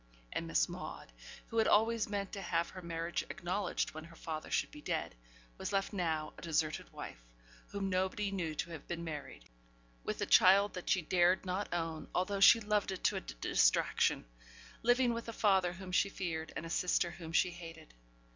And Miss Maude, who had always meant to have her marriage acknowledged when her father should be dead, was left now a deserted wife, whom nobody knew to have been married, with a child that she dared not own, although she loved it to distraction; living with a father whom she feared, and a sister whom she hated.